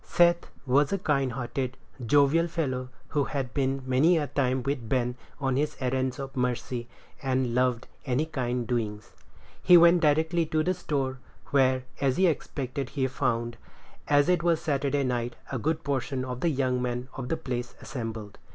Seth was a kind hearted, jovial fellow, who had been many a time with Ben on his errands of mercy, and loved any kind doings. He went directly to the store, where, as he expected, he found, as it was Saturday night, a good portion of the young men of the place assembled.